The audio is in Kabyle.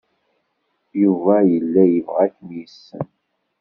Yuba yella yebɣa ad kem-yessen.